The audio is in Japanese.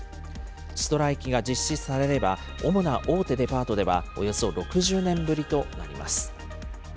ストライキが実施されれば、主な大手デパートでは、およそ６０年ぶりとなります。